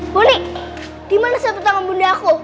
bonny dimana sapu tangan bunda aku